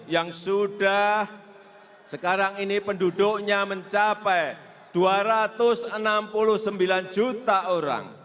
yang sudah sekarang ini penduduknya mencapai dua ratus enam puluh sembilan juta orang